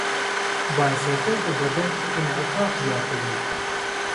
بایسکل د بدن انعطاف زیاتوي.